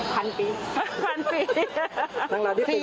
พันปีพันปี